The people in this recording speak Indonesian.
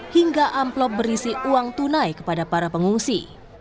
hingga amplop berisi uang tunai kepada para pengungsi